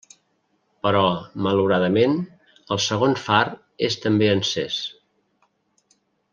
Però malauradament el segon far és també encès.